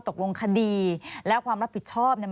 ตกลงคดีและความรับผิดชอบเนี่ย